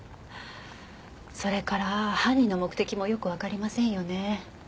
それから犯人の目的もよくわかりませんよね。